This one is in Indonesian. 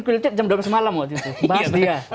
kulitnya jam dua belas malam waktu itu bahas dia